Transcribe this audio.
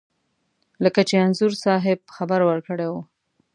لکه چې انځور صاحب خبر ورکړی و.